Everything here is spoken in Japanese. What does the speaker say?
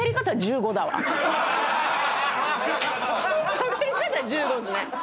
しゃべり方は１５ですね。